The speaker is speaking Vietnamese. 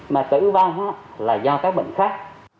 mà tử vong là do các bệnh khác